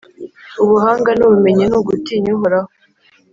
ubuhanga n’ubumenyi ni ugutinya Uhoraho,